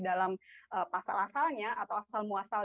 dalam pasal asalnya atau asal muasal